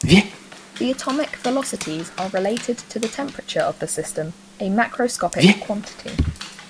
The atomic velocities are related to the temperature of the system, a macroscopic quantity.